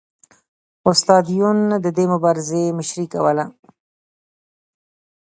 استاد یون د دې مبارزې مشري کوله